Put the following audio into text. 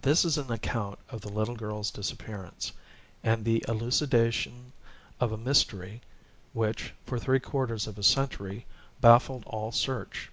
This is an account of the little girl's disappearance, and the elucidation of a mystery which, for three quarters of a century, baffled all search.